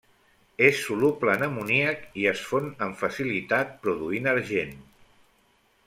És soluble en amoníac i es fon amb facilitat produint argent.